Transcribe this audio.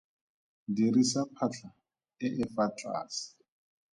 Dirisa phatlha e e fa tlase.